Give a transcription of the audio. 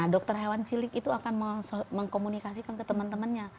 dokter hewan cilik itu akan mengkomunikasikan ke teman temannya